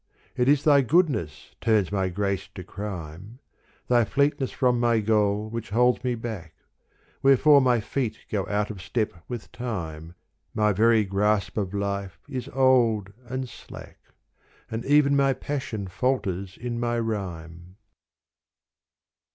It is thy goodness turns my grace to crime, Thy fleetness from my goal which holds me back : Wherefore my feet go out of step with time. My very grasp of life is old and slack And even my passion falters in my rhyme.